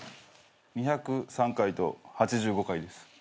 ２０３回と８５回です。